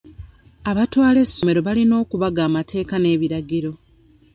Abatwala essomero balina okubaga amateeka n'ebiragiro.